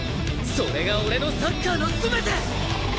それが俺のサッカーの全て！